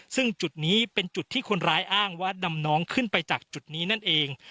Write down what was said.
ซึ่งจุดนี้เป็นจุดที่คนร้ายอ้างว่านำน้องขึ้นไปจากจุดนี้นั่นเอง